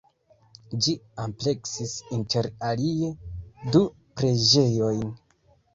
Ĝi ampleksis inter alie du preĝejojn.